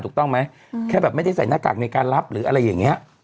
ถูกต้องไหมแค่แบบไม่ได้ใส่หน้ากากในการรับหรืออะไรอย่างนี้